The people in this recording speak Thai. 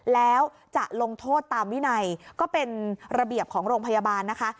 แล้วจะลงโทษตามวินัยก็เป็นระเบียบของโรงพยาบาลนะคะ